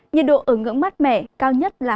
nhiệt độ ở ngưỡng mát mẻ cao nhất là hai mươi chín